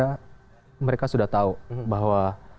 karena mereka sudah tahu bahwa